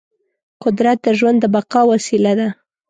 قدرت د ژوند د بقا وسیله ده.